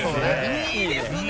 いいですね！